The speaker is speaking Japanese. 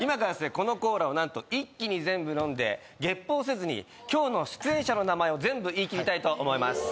このコーラをなんと一気に全部飲んでゲップをせずに今日の出演者の名前を全部言い切りたいと思います